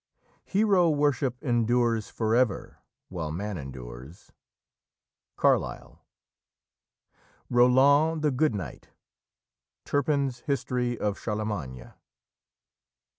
"Hero worship endures for ever while man endures." Carlyle. "Roland, the gode knight." Turpin's History of Charlemagne.